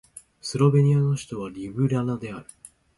スロベニアの首都はリュブリャナである